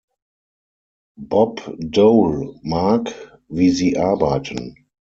Bob Dole mag, wie sie arbeiten.